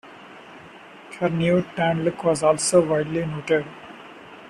Her new, tanned look was also widely noted.